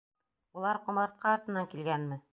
Улар ҡомартҡы артынан килгәнме?